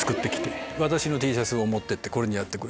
私のＴシャツを持って行ってこれにやってくれ！